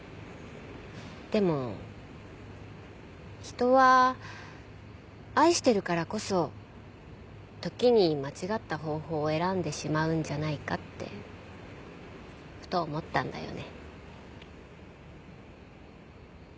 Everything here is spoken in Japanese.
でも人は愛してるからこそ時に間違った方法を選んでしまうんじゃないかってふと思ったんだよね。